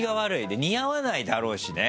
似合わないだろうしね